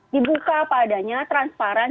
dibuka padanya transparan